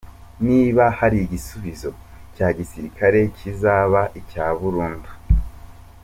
Niba hari igisubizo cya gisirikare, kizaba icya burundu.